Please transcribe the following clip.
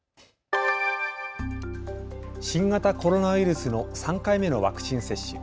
新型コロナウイルスの３回目のワクチン接種。